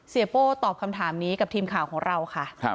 โป้ตอบคำถามนี้กับทีมข่าวของเราค่ะ